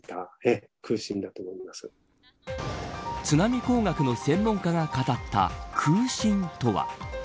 津波工学の専門家が語った空振とは。